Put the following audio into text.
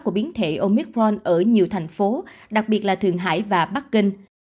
của biến thể omicron ở nhiều thành phố đặc biệt là thường hải và bắc kinh